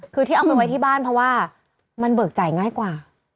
คือที่เอาไปไว้ที่บ้านเพราะว่ามันเบิกจ่ายง่ายกว่า